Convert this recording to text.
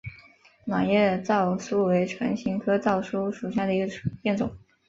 卵叶糙苏为唇形科糙苏属下的一个变种。